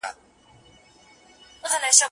نه یوه مسته ترانه سته زه به چیري ځمه